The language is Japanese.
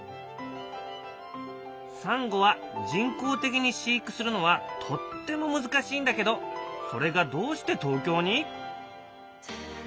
サンゴは人工的に飼育するのはとっても難しいんだけどそれがどうして東京に！？